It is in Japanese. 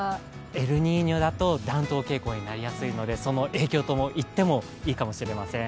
エルニーニョだと暖冬傾向になりやすいのでその影響と言ってもいいかもしれません。